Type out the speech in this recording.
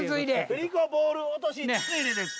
振子ボール落とし筒入れです。